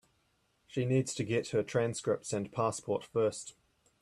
She needs to get her transcripts and passport first.